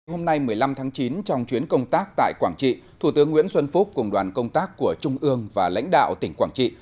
hôm nay một mươi năm tháng chín trong chuyến công tác tại quảng trị thủ tướng nguyễn xuân phúc cùng đoàn công tác của trung ương và lãnh đạo tỉnh quảng trị